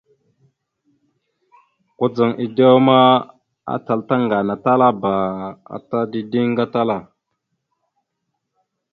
Kudzaŋ edewa ma, atal tàŋganatalaba ata dideŋ gatala.